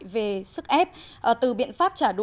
về sức ép từ biện pháp trả đũa thương mại